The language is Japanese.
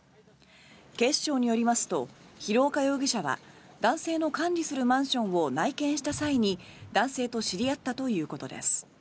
警視庁によりますと廣岡容疑者は男性の管理するマンションを内見した際に男性と知り合ったということです。